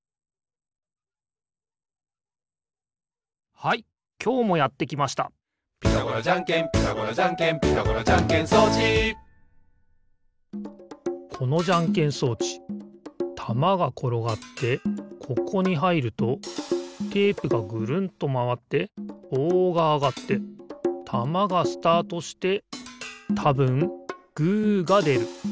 はいきょうもやってきました「ピタゴラじゃんけんピタゴラじゃんけん」「ピタゴラじゃんけん装置」このじゃんけん装置たまがころがってここにはいるとテープがぐるんとまわってぼうがあがってたまがスタートしてたぶんグーがでる。